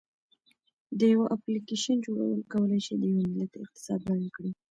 د یو اپلیکیشن جوړول کولی شي د یو ملت اقتصاد بدل کړي.